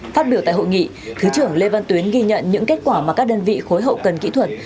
phát biểu tại hội nghị thứ trưởng lê văn tuyến ghi nhận những kết quả mà các đơn vị khối hậu cần kỹ thuật